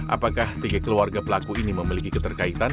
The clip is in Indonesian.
apakah tiga keluarga pelaku ini memiliki keterkaitan